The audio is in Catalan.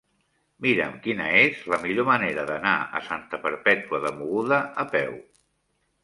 Mira'm quina és la millor manera d'anar a Santa Perpètua de Mogoda a peu.